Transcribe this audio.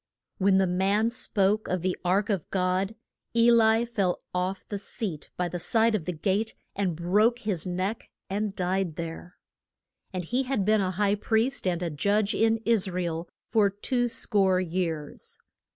When the man spoke of the ark of God, E li fell off the seat by the side of the gate, and broke his neck, and died there. And he had been a high priest and a judge in Is ra el for two score years.